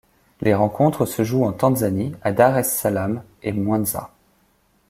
Les rencontres se jouent en Tanzanie, à Dar es Salam et Mwanza.